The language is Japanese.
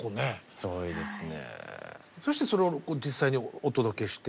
そうですね。